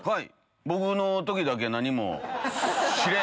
僕の時だけ何も。